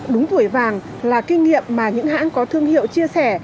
đúng tuổi vàng là kinh nghiệm mà những hãng có thương hiệu chia sẻ